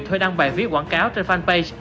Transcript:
thuê đăng bài viết quảng cáo trên fanpage